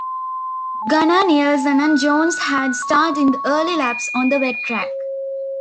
Gunnar Nilsson and Jones had starred in the early laps on the wet track.